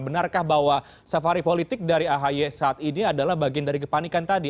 benarkah bahwa safari politik dari ahy saat ini adalah bagian dari kepanikan tadi